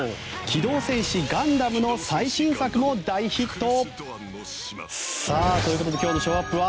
「機動戦士ガンダム」の最新作も大ヒット。